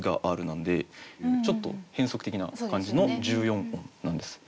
なんでちょっと変則的な感じの１４音なんです。